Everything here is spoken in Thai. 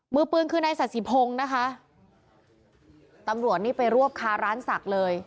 มือปืนคือนายสัสสิพงศ์นะคะตำรวจนี่ไปรวบคาร้านศักดิ์เลย